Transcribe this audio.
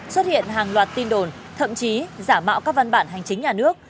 xuất hiện hàng loạt tin đồn thậm chí giả mạo các văn bản hành chính nhà nước